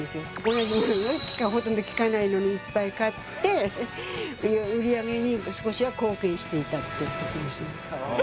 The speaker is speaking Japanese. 同じ物をほとんど聴かないのにいっぱい買って売り上げに少しは貢献していたっていうことですね